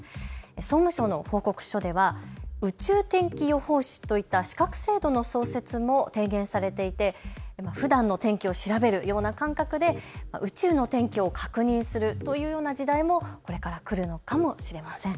総務省の報告書では宇宙天気予報士といった資格制度の創設も提言されていてふだんの天気を調べるような感覚で、宇宙の天気を確認するというような時代もこれから来るのかもしれません。